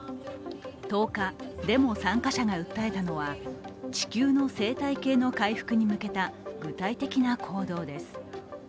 １０日、デモ参加者が訴えのは、地球の生態系の回復に向けた具体的な行動です。